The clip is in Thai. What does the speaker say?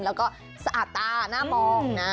แล้วก็สะอาดตาหน้ามองนะ